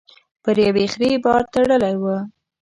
پر يوې خرې بار تړلی و.